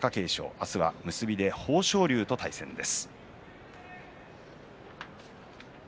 明日は結びで豊昇龍と対戦です。